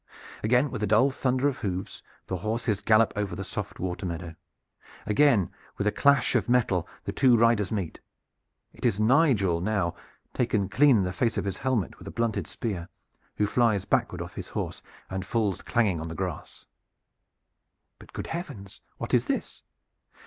Again with a dull thunder of hoofs the horses gallop over the soft water meadow. Again with a clash of metal the two riders meet. It is Nigel now, taken clean in the face of his helmet with the blunted spear, who flies backward off his horse and falls clanging on the grass. But good heavens! what is this?